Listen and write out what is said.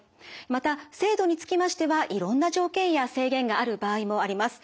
また制度につきましてはいろんな条件や制限がある場合もあります。